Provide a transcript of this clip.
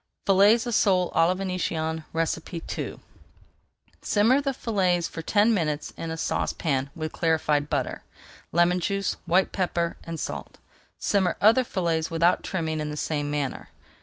FILLETS OF SOLE À LA VÉNITIENNE II Simmer the fillets for ten minutes in a saucepan with clarified butter, lemon juice, white pepper, and salt. Simmer other fillets without trimming in the same manner.